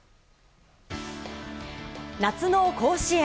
夏の甲子園。